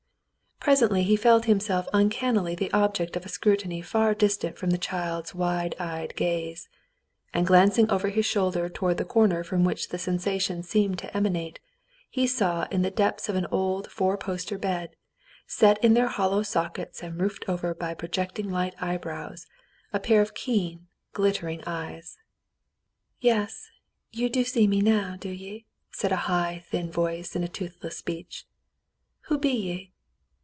Presently he felt himself uncannily the object of a scrutiny far different from the child's wide eyed gaze, and glancing over his shoulder toward the corner from which the sensation seemed to emanate, he saw in the depths of an old four posted bed, set in their hollow sockets and roofed over by projecting light eyebrows, a pair of keen, glittering eyes. " Yas, you see me now, do ye ?" said a high, thin voice in toothless speech. "Who be ye